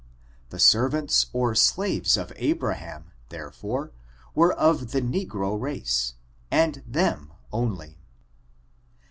The servants or slaves of Abraham, therefore, were of th/a negro race, and them only.